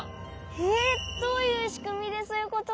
えっどういうしくみでそういうことが？